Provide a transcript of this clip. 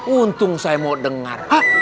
untung saya mau dengar